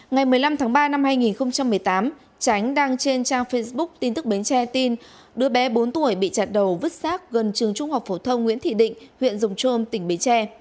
ngày một mươi năm tháng ba năm hai nghìn một mươi tám tránh đăng trên trang facebook tin tức bến tre tin đứa bé bốn tuổi bị chặt đầu vứt sát gần trường trung học phổ thông nguyễn thị định huyện rồng trôm tỉnh bến tre